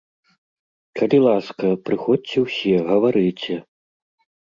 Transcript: Калі ласка, прыходзьце ўсе, гаварыце.